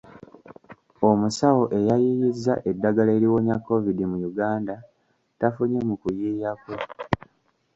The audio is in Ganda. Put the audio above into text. Omusawo eyayiyizza eddagala eriwonya COVID mu Uganda tafunye mu kuyiiya kwe.